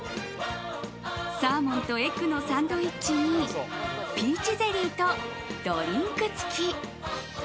サーモンとエッグのサンドイッチにピーチゼリーとドリンク付き。